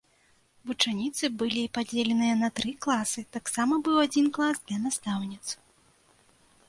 Вучаніцы былі падзеленыя на тры класы, таксама быў адзін клас для настаўніц.